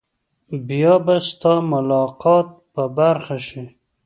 بیا به ستا ملاقات په برخه شي.